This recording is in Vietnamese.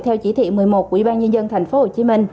theo chỉ thị một mươi một của ủy ban nhân dân tp hcm